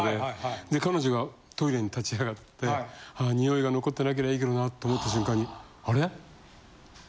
で彼女がトイレに立ち上がって「臭いが残ってなけりゃいいけどな」と思った瞬間に「あれ？」。